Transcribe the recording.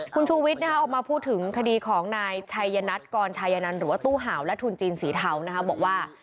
คุณชูวิทย์ออกมาพูดถึงคดีของนายชัยนัทกรชายนันหรือว่าตู้เห่าและทุนจีนสีเทาบอกว่า